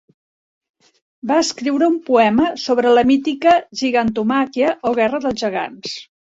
Va escriure un poema sobre la mítica Gigantomàquia, o guerra dels gegants.